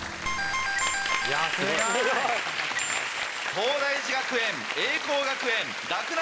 東大寺学園栄光学園洛南